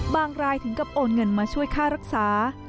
รายถึงกับโอนเงินมาช่วยค่ารักษา